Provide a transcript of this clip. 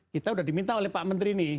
kita sudah diminta oleh pak menteri ini